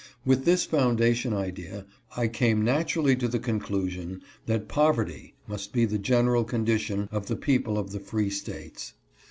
With this foundation idea, I came naturally to the conclusion that poverty must be the gen eral condition of the people of the free States.